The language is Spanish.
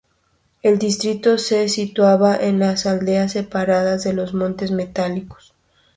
El distrito se situaba en las laderas septentrionales de los Montes Metálicos.